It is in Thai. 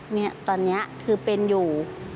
เนี่ยตอนนี้คือเป็นอยู่